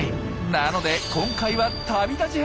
なので今回は旅立ち編。